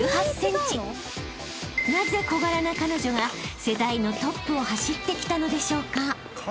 ［なぜ小柄な彼女が世代のトップを走ってきたのでしょうか？］